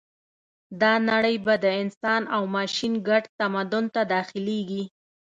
دا نړۍ به د انسان او ماشین ګډ تمدن ته داخلېږي